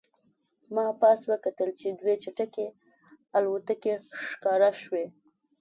ما پاس وکتل چې دوې چټکې الوتکې ښکاره شوې